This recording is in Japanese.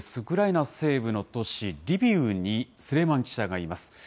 ウクライナ西部の都市リビウに、スレイマン記者がいます。